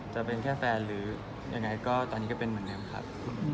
จะเป็นแค่แฟนหรือยังไงก็ตอนนี้ก็เป็นเหมือนเดิมครับ